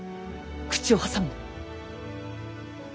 口を挟むな。